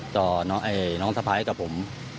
ต่อน้องสะพ้ายกับผม